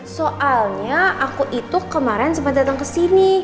soalnya aku itu kemarin sempat datang ke sini